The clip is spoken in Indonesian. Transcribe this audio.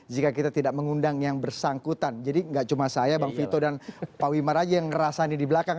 jika kita tidak mengundang yang bersangkutan jadi nggak cuma saya bang vito dan pak wimar aja yang ngerasain di belakang